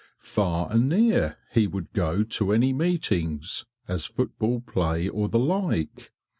Far and near he would go to any meetings, as football play or the like.